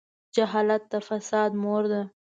جهالت د فساد مور ده.